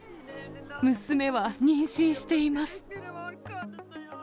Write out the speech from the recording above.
娘は妊娠しています。